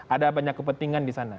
ada banyak kepentingan di sana